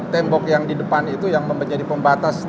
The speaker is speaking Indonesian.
tembok yang di depan itu yang menjadi pembatas tanah dengan tanah